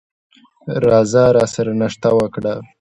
راځه راسره ناشته وکړه !